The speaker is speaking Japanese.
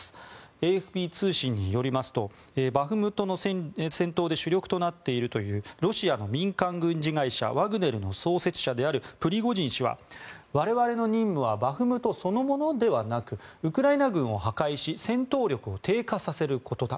ＡＦＰ通信によりますとバフムトの戦闘で主力となっているというロシアの民間軍事会社ワグネルの創設者であるプリゴジン氏は、我々の任務はバフムトそのものではなくウクライナ軍を破壊し戦闘力を低下させることだ。